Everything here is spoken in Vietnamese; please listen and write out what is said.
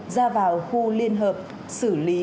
ra vào khu liên hợp xử lý